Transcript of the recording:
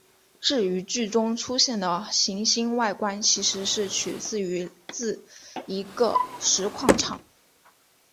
至于剧中出现的行星外观其实是取景自一个石矿场。